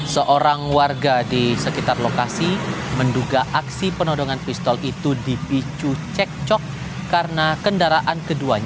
seorang warga di sekitar lokasi menduga aksi penodongan pistol itu terjadi di jalan